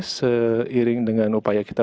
seiring dengan upaya kita